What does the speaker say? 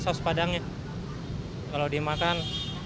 saus padangnya kalau dimakan